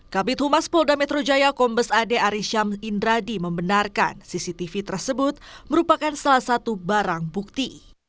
kabit humas polda metro jaya kombes ade arisham indradi membenarkan cctv tersebut merupakan salah satu barang bukti